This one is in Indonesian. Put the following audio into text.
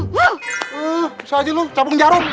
bisa aja lu cabut jarum